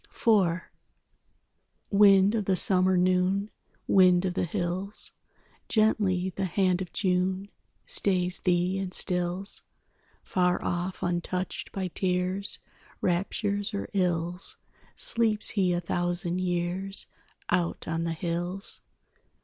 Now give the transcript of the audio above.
IV Wind of the summer noon, Wind of the hills, Gently the hand of June Stays thee and stills. Far off, untouched by tears, Raptures or ills, Sleeps he a thousand years Out on the hills.